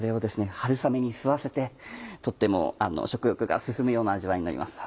春雨に吸わせてとっても食欲が進むような味わいになります。